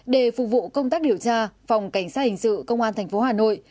để phục vụ công tác điều tra phòng cảnh sát hình sự công an tp hà nội